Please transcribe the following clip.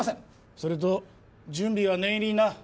それと準備は念入りにな。